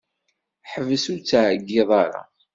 Ḥbes ur ttɛeyyiḍ ara.